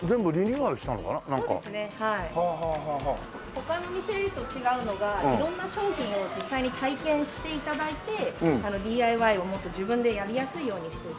他の店と違うのが色んな商品を実際に体験して頂いてＤＩＹをもっと自分でやりやすいようにして頂く。